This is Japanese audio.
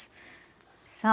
さあ。